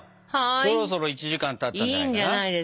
そろそろ１時間たったんじゃないかな。